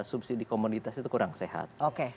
subsidi komunitas itu kurang sehat